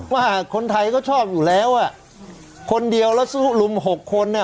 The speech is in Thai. ว่าคนไทยเขาชอบอยู่แล้วอ่ะคนเดียวแล้วลุมหกคนอ่ะ